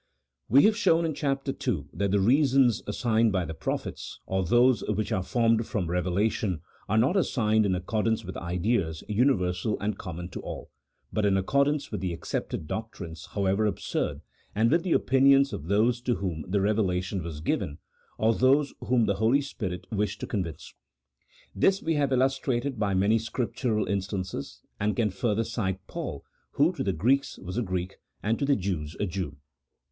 We have shown in Chap. II. that the reasons as signed by the prophets, or those which are formed from reve lation, are not assigned in accordance with ideas universal and common to all, but in accordance with the accepted CHAP. VI.] OF MIRACLES. 89 doctrines, however absurd, and with the opinions of those to whom the revelation was given, or those whom the Holy Spirit wished to convince. This we have illustrated by many Scriptural instances, and can further cite Paul, who to the Greeks was a Greek, and to the Jews a Jew.